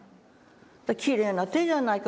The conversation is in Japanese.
「きれいな手じゃないか。